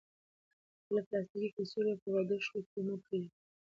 خپلې پلاستیکي کڅوړې په دښتو کې مه پریږدئ.